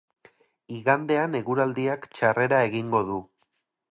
Igandean eguraldiak txarrera egingo du.